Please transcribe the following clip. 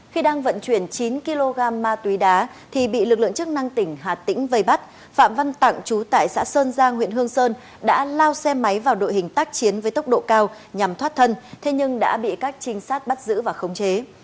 khi đang vận chuyển chín kg ma túy đá thì bị lực lượng chức năng tỉnh hà tĩnh vây bắt phạm văn tặng chú tại xã sơn giang huyện hương sơn đã lao xe máy vào đội hình tác chiến với tốc độ cao nhằm thoát thân thế nhưng đã bị các trinh sát bắt giữ và khống chế